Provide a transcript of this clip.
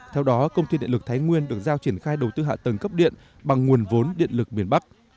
theo đó công ty điện lực thái nguyên được giao triển khai đầu tư hạ tầng cấp điện bằng nguồn vốn điện lực miền bắc